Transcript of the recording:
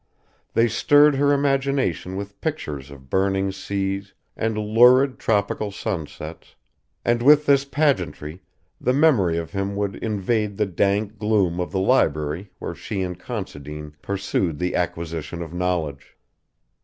They stirred her imagination with pictures of burning seas and lurid tropical sunsets, and with this pageantry the memory of him would invade the dank gloom of the library where she and Considine pursued the acquisition of knowledge.